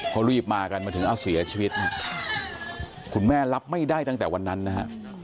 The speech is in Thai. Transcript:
เขารีบมากันมาถึงเอาเสียชีวิตคุณแม่รับไม่ได้ตั้งแต่วันนั้นนะฮะ